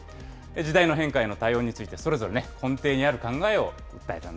時代の変化への対応について、それぞれ根底にある考えを訴えたん